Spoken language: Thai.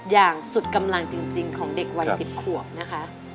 อย่างสุดกำลังจริงของเด็กวัย๑๐ขวบนะคะ